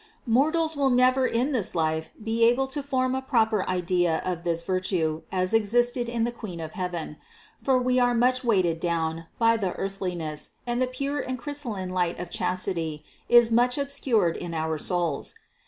Mortals will never in this life be able to form a proper idea of this virtue as it existed in the Queen of heaven; for we are much weighed down by the earthliness, and the pure and crystalline light of chastity is much obscured in our souls.